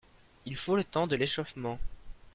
Il faut le temps de l’échauffement